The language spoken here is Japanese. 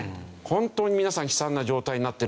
「本当に皆さん悲惨な状態になってる」。